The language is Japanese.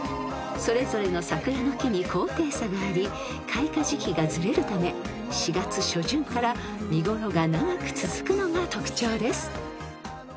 ［それぞれの桜の木に高低差があり開花時期がずれるため４月初旬から見ごろが長く続くのが特徴です］